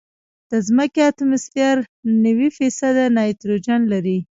د ځمکې اتموسفیر نوي فیصده نایټروجن لري.